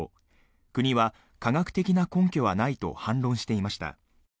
国は、科学的な根拠はないと反論していました。